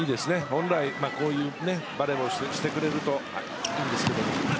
本来こういうバレーをしてくれるといいですが。